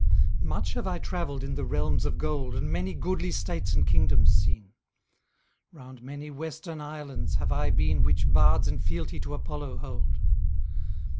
_ Much have I traveled in the realms of gold, And many goodly states and kingdoms seen; Round many western islands have I been Which bards in fealty to Apollo hold.